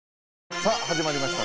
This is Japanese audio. さあ始まりました